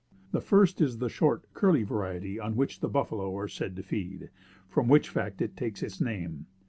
The first is the short, curly variety, on which the buffalo are said to feed, from which fact it takes its name.